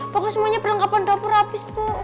pokoknya semuanya perlengkapan dapur habis bu